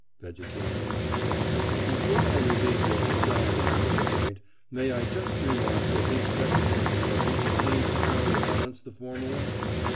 VEGETARIAN: Before I relieve your anxiety on this point, may I just remark that this second difficulty seems to counterbalance the former one?